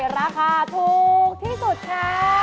ราคาถูกที่สุดค่ะ